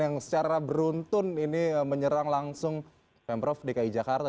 yang secara beruntun ini menyerang langsung pemprov dki jakarta